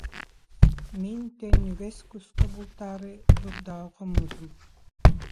Мин төннүгэс куска бултаары дурдаҕа хоммутум